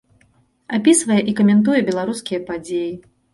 Апісвае і каментуе беларускія падзеі.